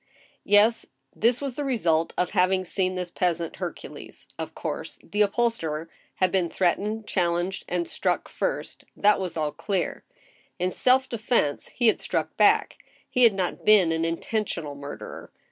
Yes — this was the result of having seen this peasant Hercules : of course, the upholsterer had been threatened, challenged, and struck first ; that was all clear. In self defense he had struck back ; he had not been an intentional murderer.